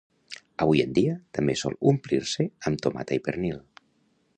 Avui en dia, també sol omplir-se amb tomata i pernil.